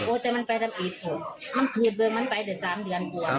โอ้แต่มันไปตั้งอีกครับมันถือเบิกมันไปแต่๓เดือนกว่า